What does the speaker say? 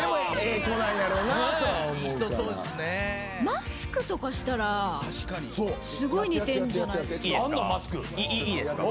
マスクとかしたらすごい似てんじゃないですか？